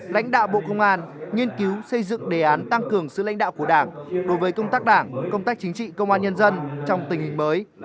lãnh đạo bộ công an nghiên cứu xây dựng đề án tăng cường sự lãnh đạo của đảng đối với công tác đảng công tác chính trị công an nhân dân trong tình hình mới